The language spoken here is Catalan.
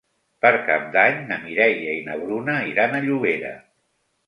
Per Cap d'Any na Mireia i na Bruna iran a Llobera.